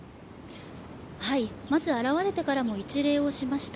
まずは現れてからも一例しました。